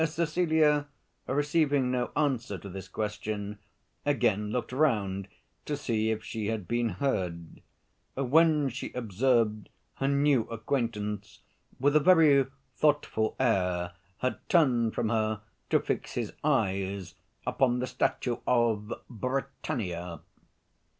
Cecilia, receiving no answer to this question, again looked round to see if she had been heard; when she observed her new acquaintance, with a very thoughtful air, had turned from her to fix his eyes upon the statue of Britannia.